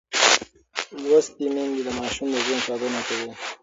لوستې میندې د ماشوم د ژوند ساتنه کوي.